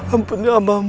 ampun ya allah